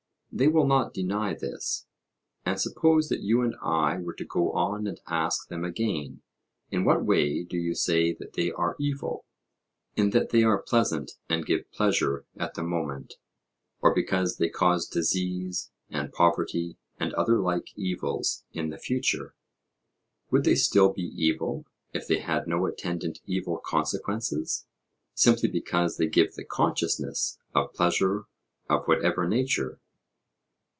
They will not deny this. And suppose that you and I were to go on and ask them again: 'In what way do you say that they are evil, in that they are pleasant and give pleasure at the moment, or because they cause disease and poverty and other like evils in the future? Would they still be evil, if they had no attendant evil consequences, simply because they give the consciousness of pleasure of whatever nature?'